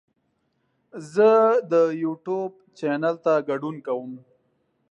زه د یوټیوب چینل ته ګډون کوم.